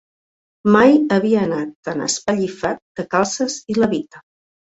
Mai havia anat tan espellifat de calces i levita